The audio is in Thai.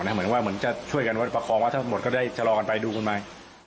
เหมือนว่าเหมือนจะช่วยกันประคองว่าทั้งหมดก็ได้ชะลอกันไปดูกันมา